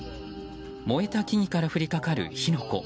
燃えた木々から降りかかる火の粉。